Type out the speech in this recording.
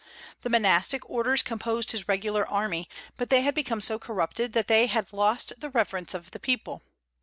The monastic orders composed his regular army, but they had become so corrupted that they had lost the reverence of the people.